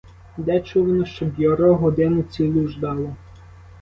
Де чувано, щоб бюро годину цілу ждало?